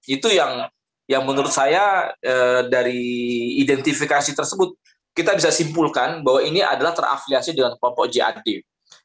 itu yang menurut saya dari identifikasi tersebut kita bisa simpulkan bahwa ini adalah terafiliasi dengan kelompok jad